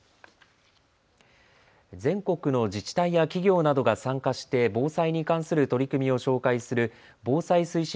全国の自治体や企業などが参加して防災に関する取り組みを紹介する防災推進